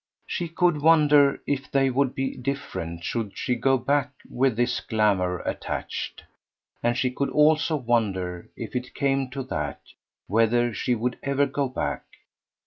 She could wonder if they would be different should she go back with this glamour attached; and she could also wonder, if it came to that, whether she should ever go back.